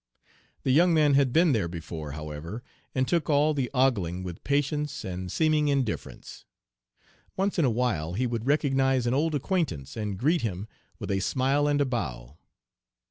The young man had 'been there before,' however, and took all the ogling with patience and seeming indifference. Once in awhile he would recognize an old acquaintance and greet him with a smile and a bow.